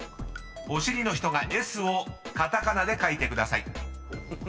［お尻の人がＳをカタカナで書いてください］